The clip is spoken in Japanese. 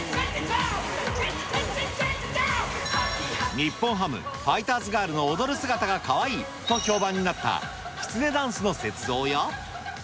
日本ハム、ファイターズガールの踊る姿がかわいいと評判になったきつねダンスの雪像や。